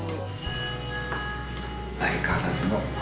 相変わらずの。